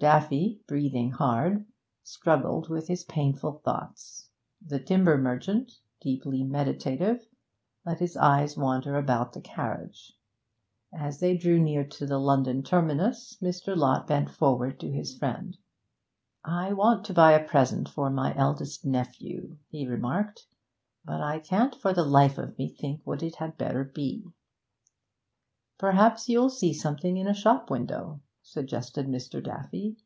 Daffy, breathing hard, struggled with his painful thoughts; the timber merchant, deeply meditative, let his eyes wander about the carriage. As they drew near to the London terminus, Mr. Lott bent forward to his friend. 'I want to buy a present for my eldest nephew,' he remarked, 'but I can't for the life of me think what it had better be.' 'Perhaps you'll see something in a shop window,' suggested Mr. Daffy.